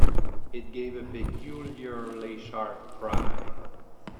It gave a peculiarly sharp cry.